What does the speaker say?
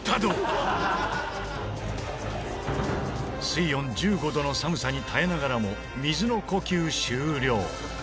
水温１５度の寒さに耐えながらも水の呼吸終了。